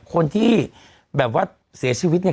คนที่แบบว่าเสียชีวิตเนี่ย